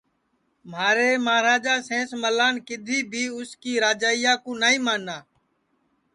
مہارے مہاراجا سین ملان کِدھی بھی اُس کی راجائیا کُو نائی مانا